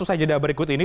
usaha jeda berikut ini